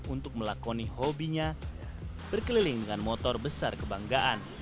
untuk melakoni hobinya berkeliling dengan motor besar kebanggaan